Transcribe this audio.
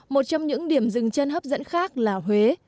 một trong những điểm dừng chân hấp dẫn khác là huế